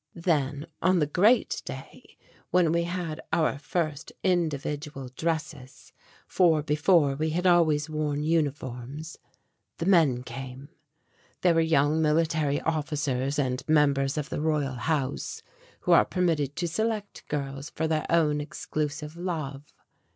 "Then, on the 'Great Day,' when we had our first individual dresses for before we had always worn uniforms the men came. They were young military officers and members of the Royal House who are permitted to select girls for their own exclusive love.